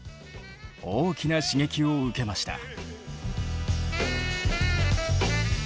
大きな刺激を受けました。